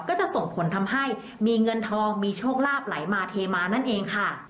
ก็จะส่งผลทำให้มีเงินทองมีโชคลาภไหลมาเทมานั่นเองค่ะ